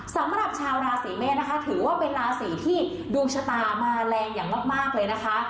สำหรับชาวราศีเมษนะคะถือว่าเป็นราศีที่ดวงชะตามาแรงอย่างมากเลยนะคะ